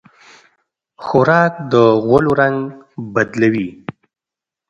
خوراک د غولو رنګ بدلوي.